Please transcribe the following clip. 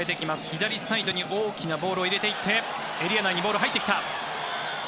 左サイドに大きなボールを入れていってエリア内にボールが入ってきた。